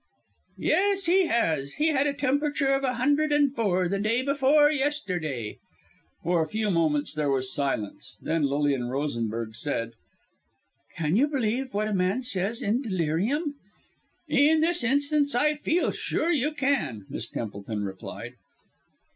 "Yes, he has. He had a temperature of a hundred and four the day before yesterday." For a few moments there was silence. Then Lilian Rosenberg said, "Can you believe what a man says in delirium?" "In this instance I feel sure you can," Miss Templeton replied.